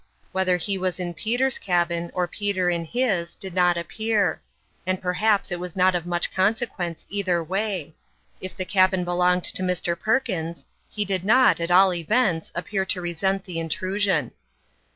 Whether he was in Peter's cabin, or Peter in his, did not appear; and perhaps it was not of much consequence either way. If the cabin belonged to Mr. Perkins, he did not, at all events, appear to resent the intrusion.